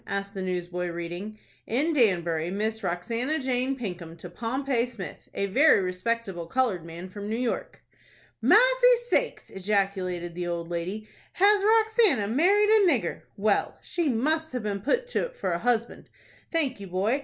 asked the newsboy, reading, "In Danbury, Miss Roxanna Jane Pinkham to Pompey Smith, a very respectable colored man from New York." "Massy sakes!" ejaculated the old lady. "Has Roxanna married a nigger? Well, she must have been put to't for a husband. Thank you, boy.